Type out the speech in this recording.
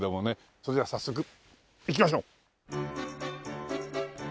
それでは早速行きましょう！